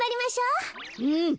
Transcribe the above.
うん。